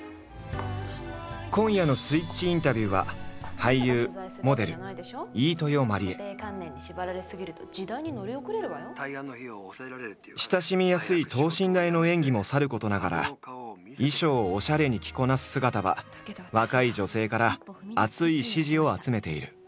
今夜の「スイッチインタビュー」は親しみやすい等身大の演技もさることながら衣装をオシャレに着こなす姿は若い女性から熱い支持を集めている。